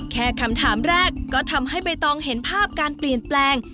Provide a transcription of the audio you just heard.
แค่คำถามแรกก็ทำให้ใบตองเห็นภาพการเปลี่ยนแปลง